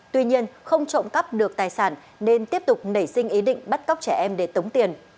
tuy nhiên không trộm cắp được tài sản nên tiếp tục nảy sinh ý định bắt cóc trẻ em để tống tiền